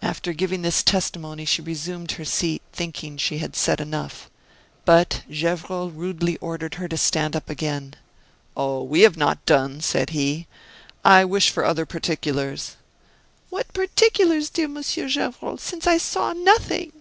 After giving this testimony she resumed her seat, thinking she had said enough. But Gevrol rudely ordered her to stand up again. "Oh! we have not done," said he. "I wish for other particulars." "What particulars, dear Monsieur Gevrol, since I saw nothing?"